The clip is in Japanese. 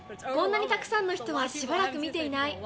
こんなにたくさんの人はしばらく見ていない。